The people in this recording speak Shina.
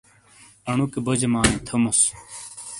انوکے بوجیمائی تھیموس۔